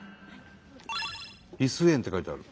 「リス園」って書いてある。